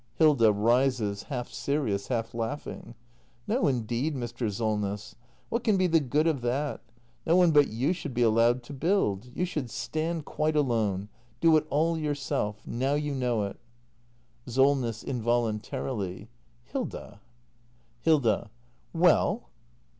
Hilda. [Rises, half serious, half laughing.] No indeed, Mr. Solness! What can be the good of that? No one but you should be allowed to build. You should stand quite alone — do it all yourself. Now you know it. act ii] THE MASTER BUILDER 339 SOLNESS. [Involuntarily.] Hilda ! Hilda. Well!